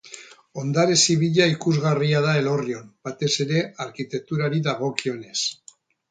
Ondare zibila ikusgarria da Elorrion, batez ere arkitekturari dagokionez.